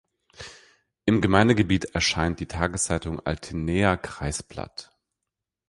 Im Gemeindegebiet erscheint die Tageszeitung Altenaer Kreisblatt.